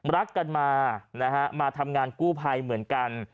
รักกันมามาทำงานกู้ไพดิ้งเหมือนกัน